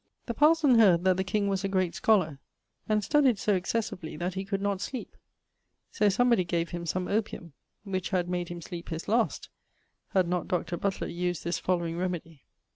The parson heard that the king was a great scholar, and studyed so excessively that he could not sleep, so somebody gave him some opium, which had made him sleep his last, had not Dr. Butler used this following remedy.